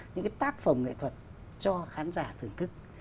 những cái tác phẩm nghệ thuật cho khán giả thưởng thức